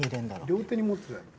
両手に持つやろ。